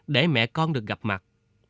để mẹ con được gặp mặt